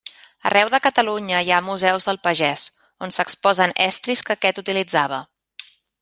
Arreu de Catalunya hi ha museus del pagès, on s'exposen estris que aquest utilitzava.